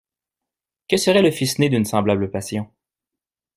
Que serait le fils né d'une semblable passion?